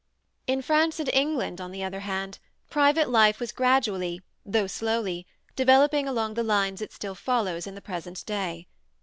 In France and England, on the other hand, private life was gradually, though slowly, developing along the lines it still follows in the present day.